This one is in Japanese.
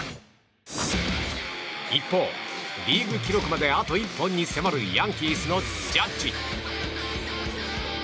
一方、リーグ記録まであと１本に迫るヤンキースのジャッジ。